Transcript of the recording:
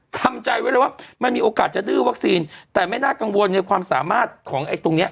ทำใจไว้เลยว่ามันมีโอกาสจะดื้อวัคซีนแต่ไม่น่ากังวลในความสามารถของไอ้ตรงเนี้ย